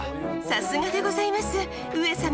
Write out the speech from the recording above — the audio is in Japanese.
さすがでございます上様。